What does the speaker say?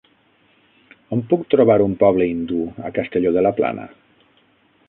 On puc trobar un poble hindú a Castelló de la Plana?